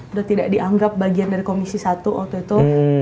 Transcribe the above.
sudah tidak dianggap bagian dari komisi satu waktu itu